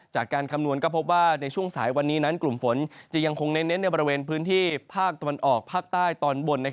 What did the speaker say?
คำนวณก็พบว่าในช่วงสายวันนี้นั้นกลุ่มฝนจะยังคงเน้นในบริเวณพื้นที่ภาคตะวันออกภาคใต้ตอนบน